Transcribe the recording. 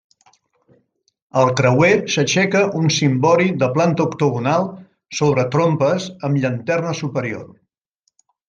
Al creuer s'aixeca un cimbori de planta octogonal, sobre trompes, amb llanterna superior.